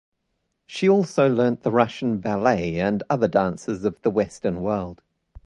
She also learnt the Russian ballet, and other dances of the western world.